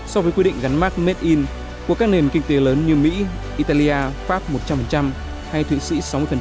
so với quy định gắn mát made in của các nền kinh tế lớn như mỹ italia pháp một trăm linh hay thụy sĩ sáu mươi